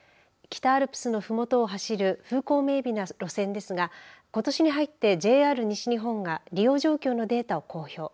北アルプスのふもとを走る風光明美な路線ですがことしに入って、ＪＲ西日本が利用状況のデータを公表。